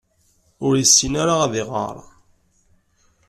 Ur yessin ara ad iɣeṛ.